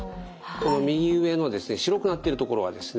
この右上の白くなっている所はですね